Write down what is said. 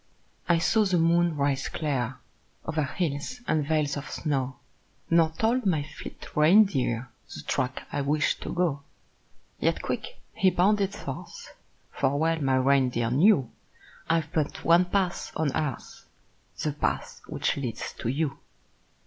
I saw the moon rise clear O'er hills and vales of snow Nor told my fleet reindeer The track I wished to go. Yet quick he bounded forth; For well my reindeer knew I've but one path on earth The path which leads to you.